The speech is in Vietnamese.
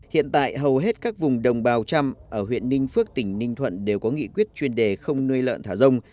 hiện tại hầu hết các vùng đồng bào trăm ở huyện ninh phước tỉnh ninh thuận đều có nghị quyết chuyên đề không nuôi lợn thả rông